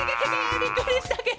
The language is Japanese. びっくりしたケロ！